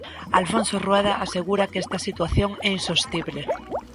Alfonso Rueda asegura que esta situación é insostible.